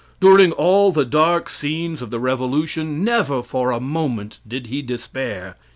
During all the dark scenes of the revolution never for a moment did he despair.